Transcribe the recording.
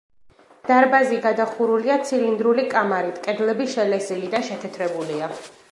დარბაზი გადახურულია ცილინდრული კამარით, კედლები შელესილი და შეთეთრებულია.